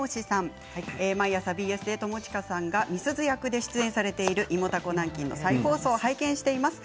毎朝ＢＳで友近さんがみすず役で出演されている「芋たこなんきん」の再放送を拝見しています。